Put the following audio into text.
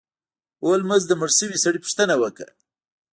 هولمز د مړ شوي سړي پوښتنه وکړه.